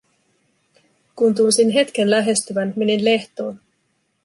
Kun tunsin hetken lähestyvän, menin lehtoon.